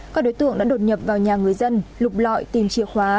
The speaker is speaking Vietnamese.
các đối tượng đã đột nhập vào nhà người dân lục lọi tìm chìa khóa